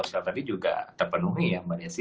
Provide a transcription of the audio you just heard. bantuan sosial tadi juga terpenuhi ya mbak nancy